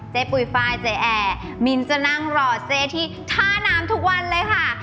เจ๊ปุยฟ้าเจ๊แอร์มิลล์จะนั่งรอเจ๊ที่ท่านามทุกวันเลยค่ะ